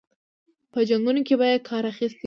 په جنګونو کې به یې کار اخیستی وي.